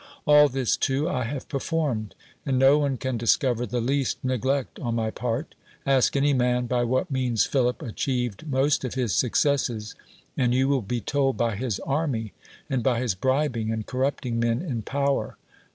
All this, too, I have per formed; and no one can discover the least neg lect on my part. Ask any man, by what means Philip achieved most of his successes, and you will be told, by his army, and by his bribing and corrupting men in power.